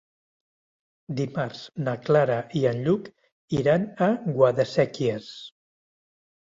Dimarts na Clara i en Lluc iran a Guadasséquies.